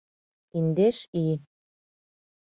Индеш ий.